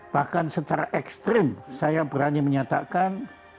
bahkan secara ekstrim saya berani menyatakan